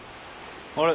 あれ？